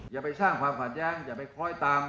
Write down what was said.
อย่าไปช่างความขวาดแย้งอย่าไปคอยตาม